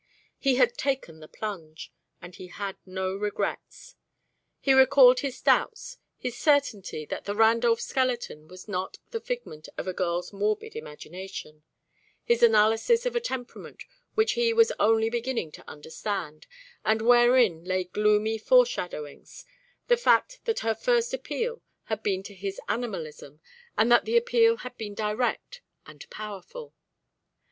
He had taken the plunge, and he had no regrets. He recalled his doubts, his certainty that the Randolph skeleton was not the figment of a girl's morbid imagination, his analysis of a temperament which he was only beginning to understand, and wherein lay gloomy foreshadowings, the fact that her first appeal had been to his animalism and that the appeal had been direct and powerful.